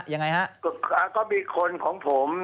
ยังไงฮะก็มีคนของผม